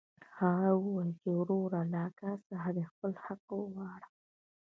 هغه وويل چې وروره له اکا څخه دې خپل حق وغواړه.